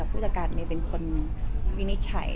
ผู้จัดการเมย์เป็นคนวินิจฉัย